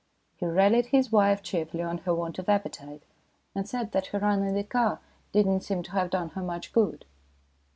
He rallied his wife cheerfully on her want of appetite, and said that her run in the car did not seem to have done her much good.